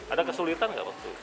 ada kesulitan nggak waktu